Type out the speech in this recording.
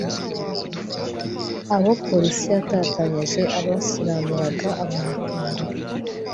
”Abo polisi yatatanyije abasiramuraga abantu ku ngufu